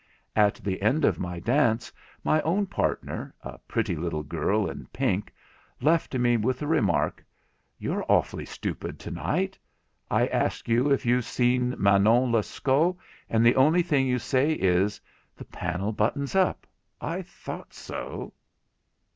At the end of my dance my own partner, a pretty little girl in pink, left me with the remark, 'You're awfully stupid to night! I ask you if you've seen Manon Lescaut, and the only thing you say is, "The panel buttons up, I thought so".'